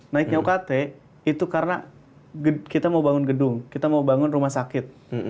naiknya ukt itu karena kita mau bangun gedung kita mau bangun rumah sakit